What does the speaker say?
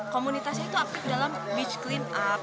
komunitasnya itu aktif dalam beach clean up